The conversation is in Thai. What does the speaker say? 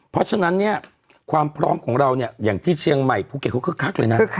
เพราะฉะนั้นเนี่ยความพร้อมของเราเนี่ยอย่างที่เชียงใหม่ภูเก็ตเขาคึกคักเลยนะ